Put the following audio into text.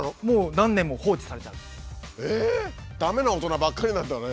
駄目な大人ばっかりなんだね。